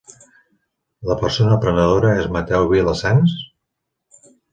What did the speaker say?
La persona prenedora és Mateu Vila Sants?